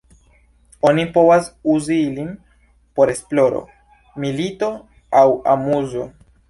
Oni povas uzi ilin por esploro, milito aŭ amuzo.